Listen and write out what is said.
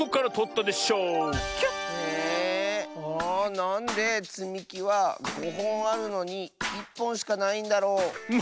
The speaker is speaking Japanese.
なんでつみきは５ほんあるのに１ぽんしかないんだろ？